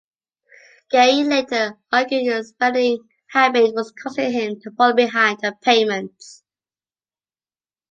Gaye later argued his spending habit was causing him to fall behind on payments.